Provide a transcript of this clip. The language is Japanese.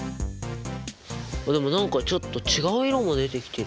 でも何かちょっと違う色も出てきてる。